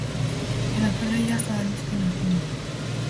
Gelako leihoa zabaldu zuen orduan.